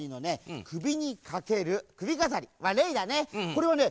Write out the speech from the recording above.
これはね